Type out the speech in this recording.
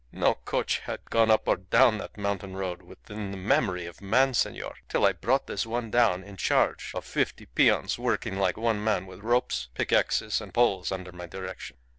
No coach had gone up or down that mountain road within the memory of man, senor, till I brought this one down in charge of fifty peons working like one man with ropes, pickaxes, and poles under my direction.